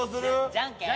じゃんけん。